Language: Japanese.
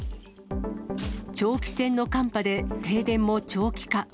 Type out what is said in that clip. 長期戦の寒波で、停電も長期化。